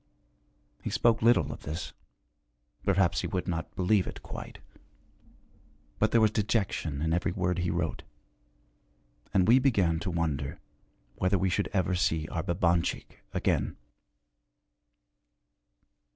He spoke little of this, perhaps he would not believe it, quite, but there was dejection in every word he wrote. And we began to wonder whether we should ever see our Babanchik again.